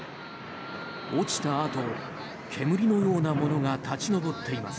落ちたあと、煙のようなものが立ち上っています。